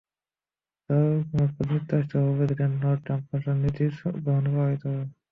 যার লক্ষ্য, যুক্তরাষ্ট্রের হবু প্রেসিডেন্ট ডোনাল্ড ট্রাম্প প্রশাসনকে নীতি গ্রহণে প্রভাবিত করা।